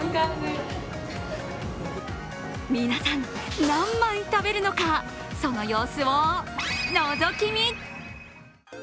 皆さん、何枚食べるのか、その様子をのぞき見。